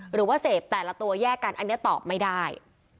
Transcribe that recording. หรือว่าเสพแต่ละตัวแยกกันอันนี้ตอบไม่ได้